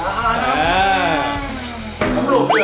ก็เริ่มจะไปดูบุคล้องกันด้วย